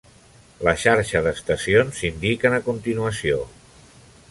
La xarxa d'estacions s'indiquen a continuació.